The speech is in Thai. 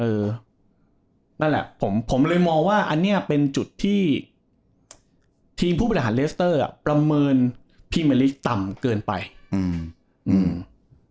นั่นแหละผมผมเลยมองว่าอันเนี้ยเป็นจุดที่ทีมผู้บริหารเลสเตอร์อ่ะประเมินพรีเมอร์ลิสต่ำเกินไปอืมอืม